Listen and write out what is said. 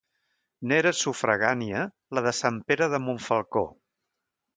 N'era sufragània la de Sant Pere de Montfalcó.